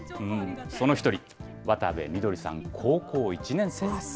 その一人、渡部翠さん、高校１年生です。